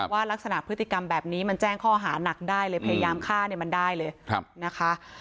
ลักษณะพฤติกรรมแบบนี้มันแจ้งข้อหานักได้เลยพยายามฆ่าเนี่ยมันได้เลยนะคะ